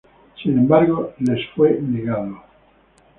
Sin embargo les fue negado.